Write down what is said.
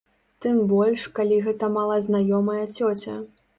Тым больш калі гэта малазнаёмая цёця.